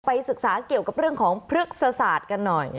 ศึกษาเกี่ยวกับเรื่องของพฤกษศาสตร์กันหน่อย